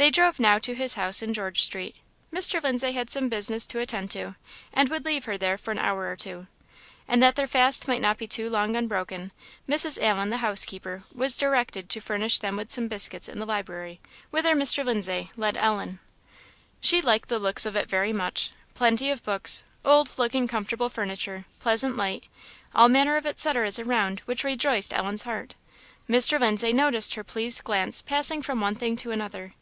They drove now to his house in George street. Mr. Lindsay had some business to attend to, and would leave her there for an hour or two. And that their fast might not be too long unbroken, Mrs. Allen, the housekeeper, was directed to furnish them with some biscuits in the library, whither Mr. Lindsay led Ellen. She liked the looks of it very much. Plenty of books; old looking comfortable furniture; pleasant light; all manner of etceteras around which rejoiced Ellen's heart. Mr. Lindsay noticed her pleased glance passing from one thing to another.